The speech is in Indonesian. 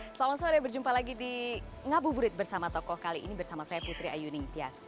selamat sore berjumpa lagi di ngabuburit bersama tokoh kali ini bersama saya putri ayu ningtyas